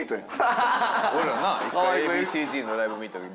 俺らな一回Ａ．Ｂ．Ｃ−Ｚのライブ見たとき。